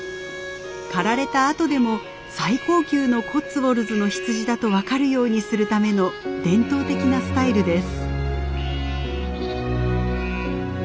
刈られたあとでも最高級のコッツウォルズの羊だと分かるようにするための伝統的なスタイルです。